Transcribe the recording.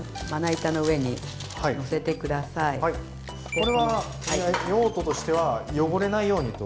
これは用途としては汚れないようにと。